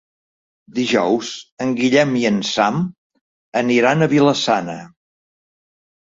Dijous en Guillem i en Sam aniran a Vila-sana.